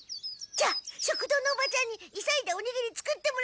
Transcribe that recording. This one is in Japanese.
じゃあ食堂のおばちゃんに急いでおにぎり作ってもらってくる。